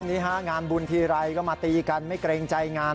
นี่ฮะงานบุญทีไรก็มาตีกันไม่เกรงใจงาน